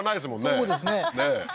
そうですね